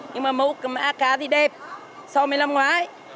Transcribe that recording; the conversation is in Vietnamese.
nhưng mà mẫu mã cá thì đẹp so với năm ngoái